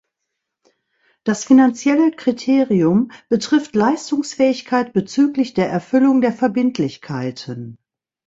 Das finanzielle Kriterium betrifft Leistungsfähigkeit bezüglich der Erfüllung der Verbindlichkeiten.